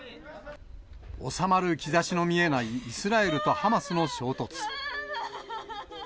収まる兆しの見えない、イスラエルとハマスの衝突。